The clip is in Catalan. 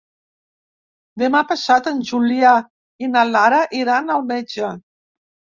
Demà passat en Julià i na Lara iran al metge.